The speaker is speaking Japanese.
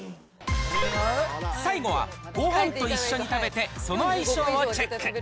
最後は、ごはんと一緒に食べて、その相性をチェック。